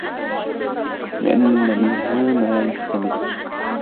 لِأَنَّ مِنْهَا مَا يَسْتَمِدُّ